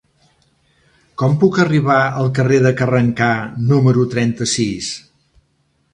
Com puc arribar al carrer de Carrencà número trenta-sis?